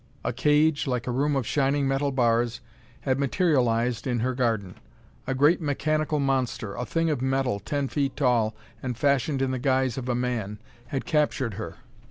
A cage, like a room of shining metal bars, had materialized in her garden. A great mechanical monster a thing of metal, ten feet tall and fashioned in the guise of a man had captured her.